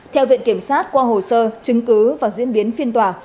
theo viện kiểm sát qua hồ sơ chứng cứ và diễn biến phiên tòa